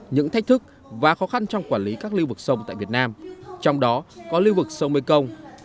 những thách thức và khó khăn trong quản lý các lưu vực sông tại việt nam trong đó có lưu vực sông mekong